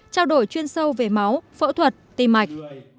trao đổi chuyên sâu về máu phẫu thuật tim mạch